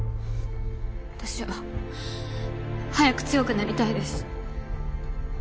私は早く強くなりたいです。